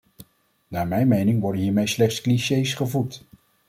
Naar mijn mening worden hiermee slechts clichés gevoed.